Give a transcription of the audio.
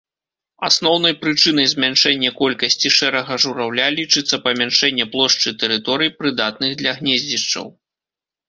Асноўнай прычынай змяншэння колькасці шэрага жураўля лічыцца памяншэнне плошчы тэрыторый, прыдатных для гнездзішчаў.